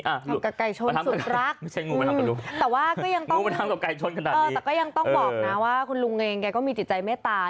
แต่ก็ยังต้องบอกนะว่าคุณลุงเองแกก็มีจิตใจเมตตา